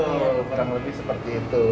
kurang lebih seperti itu